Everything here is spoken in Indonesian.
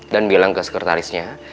dan bilang ke sekretarisnya